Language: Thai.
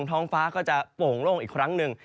ฟ้าร้องฟ้าก็จะโผล่งลงอีกครั้งหนึ่ง